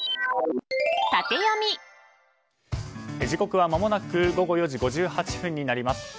時刻はまもなく午後４時５８分になります。